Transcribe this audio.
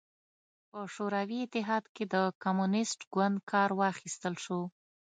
په شوروي اتحاد کې د کمونېست ګوند کار واخیستل شو.